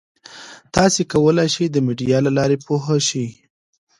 تاسي کولای شئ د میډیا له لارې پوهه شئ.